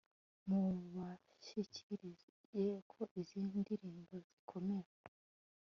mu bashyigikiye ko izi ndirimbo zikomeza